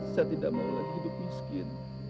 saya tidak melalui hidup miskin